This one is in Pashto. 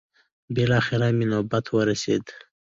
بلاخره مې نوبت ورسېد.